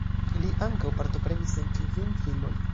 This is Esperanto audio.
Li ankaŭ partoprenis en kvin filmoj.